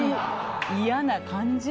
嫌な感じ！